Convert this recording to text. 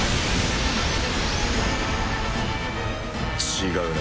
違うな。